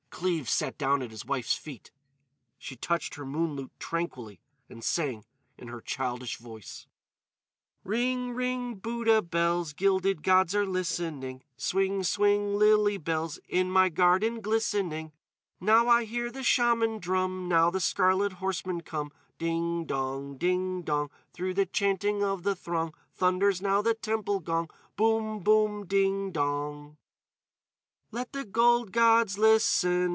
Cleves sat down at his wife's feet. She touched her moon lute tranquilly and sang in her childish voice: "Ring, ring, Buddha bells, Gilded gods are listening. Swing, swing, lily bells, In my garden glistening. Now I hear the Shaman drum; Now the scarlet horsemen come; Ding dong! Ding dong! Through the chanting of the throng Thunders now the temple gong. Boom boom! Ding dong! "_Let the gold gods listen!